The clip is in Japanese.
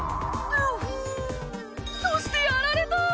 そしてやられた。